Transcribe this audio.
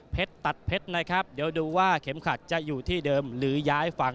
ตัดเพชรนะครับเดี๋ยวดูว่าเข็มขัดจะอยู่ที่เดิมหรือย้ายฝั่ง